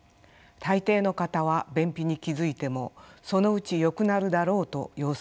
大抵の方は便秘に気付いてもそのうちよくなるだろうと様子を見ています。